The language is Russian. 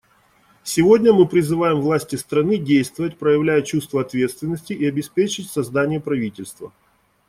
Сегодня мы призываем власти страны действовать, проявляя чувство ответственности, и обеспечить создание правительства.